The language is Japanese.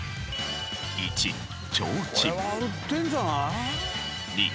これは売ってるんじゃない？